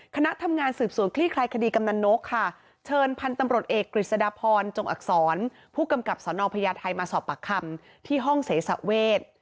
คณะทำงานสืบสวนคลี่คลายคดีกำนันนกค่ะเชิญพันธ์ตำรวจเอกกฤษฎาพรจงอักษรผู้กำกับสนพญาไทยมาสอบปากคำที่ห้องเสสะเวท